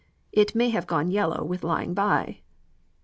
It may have gone yellow with lying by."